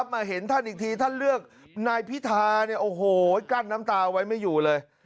มาเห็นท่านอีกทีท่านเลือกนายพิธากั้นน้ำตาเอาไว้ไม่อยู่เลย